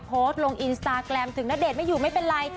โพสต์ลงอินสตาแกรมถึงณเดชน์ไม่อยู่ไม่เป็นไร